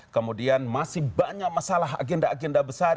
kemudian masih banyak masalah agenda agenda besar